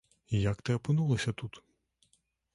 Як ты апынулася тут?